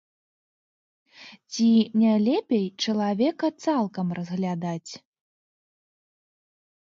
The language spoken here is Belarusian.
Ці не лепей чалавека цалкам разглядаць?